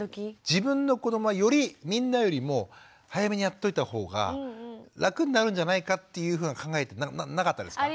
自分の子どもはよりみんなよりも早めにやっておいた方が楽になるんじゃないかというふうな考えなかったですか？